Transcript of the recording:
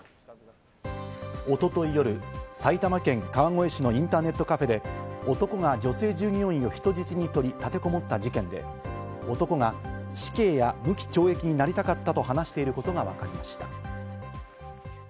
一昨日夜、埼玉県川越市のインターネットカフェで男が女性従業員を人質に取り立てこもった事件で、男が死刑や無期懲役になりたかったと話していることがわかりました。